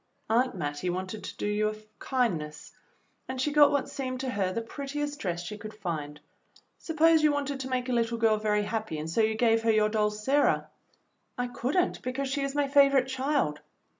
Aunt Mattie wanted to do you a kindness, and she got what seemed to her the prettiest dress she could find. Suppose you wanted to make a little girl very happy and so you gave her your doll, Sarah." "I could n't, because she is my favorite child."